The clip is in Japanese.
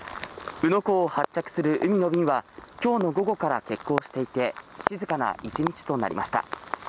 宇野港を発着する海の便は今日の午後から欠航していて、静かな一日となりました。